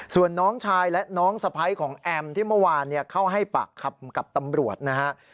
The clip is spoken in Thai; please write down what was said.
ส่วนน้องชายและน้องสะพ้ายของแอมที่เมื่อวานเข้าให้ปากคำกับตำรวจนะฮะ